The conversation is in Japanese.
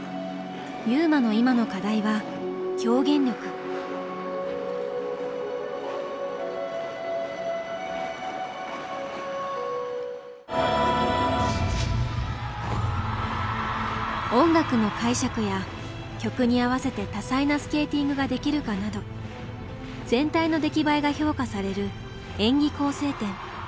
優真の今の音楽の解釈や曲に合わせて多彩なスケーティングができるかなど全体の出来栄えが評価される演技構成点。